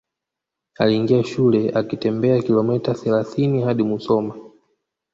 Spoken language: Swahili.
Aliingia shule akitembea kilomita thelathini hadi Musoma